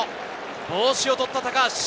帽子を取った高橋。